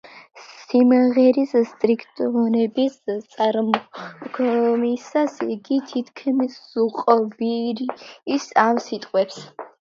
სიმღერის სტრიქონების წარმოთქმისას იგი თითქმის უყვირის ამ სიტყვებს.